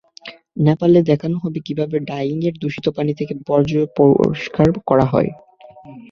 নেপালে দেখানো হবে কীভাবে ডাইংয়ে দূষিত পানি থেকে বর্জ্য পরিষ্কার করা হয়।